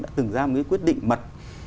đã từng ra một quyết định mật